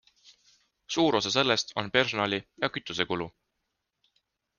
Suur osa sellest on personali- ja kütusekulu.